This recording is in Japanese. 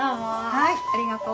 はいありがとう。